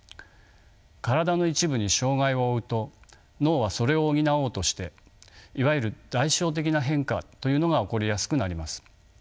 体の一部に障がいを負うと脳はそれを補おうとしていわゆる代償的な変化というのが起こりやすくなります。